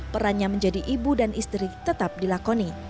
perannya menjadi ibu dan istri tetap dilakoni